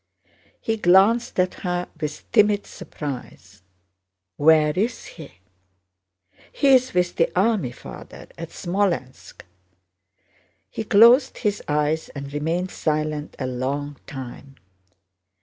He glanced at her with timid surprise. "Where is he?" "He's with the army, Father, at Smolénsk." He closed his eyes and remained silent a long time.